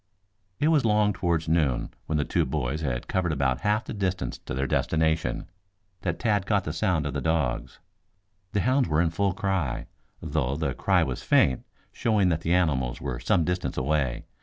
It was along towards noon, when the two boys had covered about half the distance to their destination, that Tad caught the sound of the dogs. The hounds were in full cry, though the cry was faint, showing that the animals were some distance away.